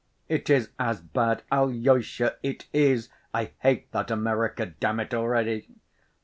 It is as bad, Alyosha, it is! I hate that America, damn it, already.